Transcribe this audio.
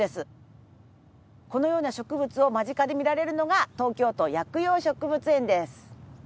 このような植物を間近で見られるのが東京都薬用植物園です。